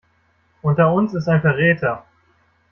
Unter uns ist ein Verräter.